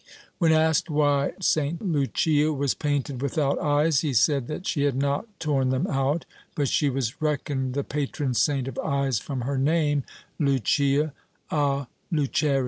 — When asked why St. Lucia was painted without eyes, he said that she had not torn them out, but she was reckoned the patron saint of eyes from her name — Lucia a lucere.